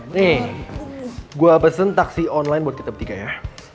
nih gue pesen taksi online buat kita bertiga ya